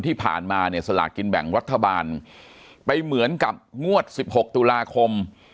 ที่ผ่านมาเนี่ยสลากกินแบ่งรัฐบาลไปเหมือนกับงวด๑๖ตุลาคม